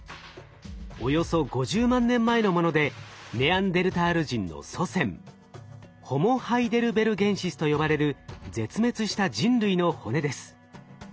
およそ５０万年前のものでネアンデルタール人の祖先ホモ・ハイデルベルゲンシスと呼ばれる絶滅した人類の骨です。